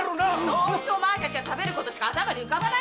どうしてお前たちは食べることしか浮かばないんだろうね！